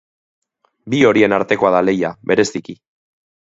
Bi horien artekoa da lehia, bereziki.